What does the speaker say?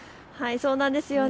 そうなんですよね。